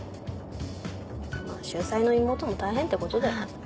秀才の妹も大変ってことだよ。